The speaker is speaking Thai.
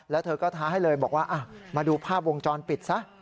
แล้วเธอก็ท้าให้เลยบอกว่ามาดูภาพวงจรปิดซะ